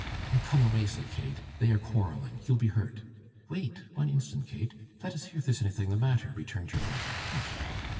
'Oh come away!' said Kate, 'they are quarrelling. You'll be hurt.' 'Wait one instant, Kate. Let us hear if there's anything the matter,' returned her brother. 'Hush!